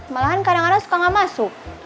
malahan kadang kadang suka gak masuk